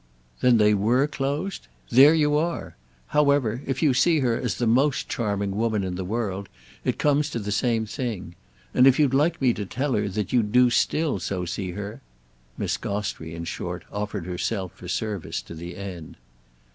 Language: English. "Then they were closed? There you are! However, if you see her as the most charming woman in the world it comes to the same thing. And if you'd like me to tell her that you do still so see her—!" Miss Gostrey, in short, offered herself for service to the end.